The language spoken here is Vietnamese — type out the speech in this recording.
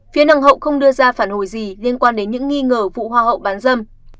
phía nồng hậu không đưa ra phản hồi gì liên quan đến những nghi ngờ vụ hoa hậu bán dâm